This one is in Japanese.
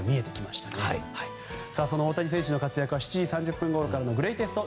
その大谷選手の活躍は７時３０分ごろのグレイテスト